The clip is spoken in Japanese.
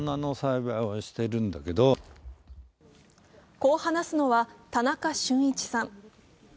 こう話すのは田中俊一さん。